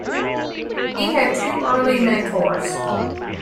He had two early mentors.